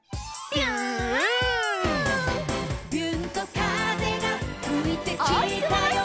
「びゅーんと風がふいてきたよ」